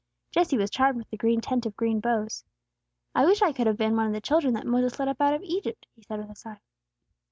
Jesse was charmed with the great tent of green boughs. "I wish I could have been one of the children that Moses led up out of Egypt," he said, with a sigh.